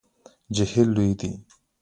جهیل لوی دی